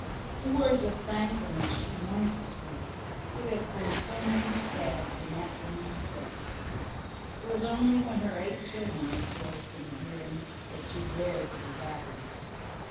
The words of thankfulness she wanted to speak would have been so many stabs in that woman's breast. It was only when her eight children rejoiced in the hearing that she dared to be happy.